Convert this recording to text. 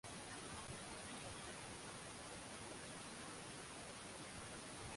kuwashinda Wabizanti lakini baada ya uhamisho wa